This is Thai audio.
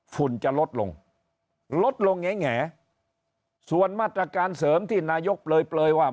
ฝุ่นจะลดลงลดลงแงส่วนมาตรการเสริมที่นายกเปลยว่า